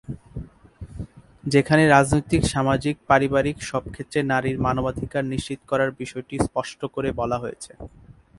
যেখানে রাজনৈতিক, সামাজিক, পারিবারিক সব ক্ষেত্রে নারীর মানবাধিকার নিশ্চিত করার বিষয়টি স্পষ্ট করে বলা হয়েছে।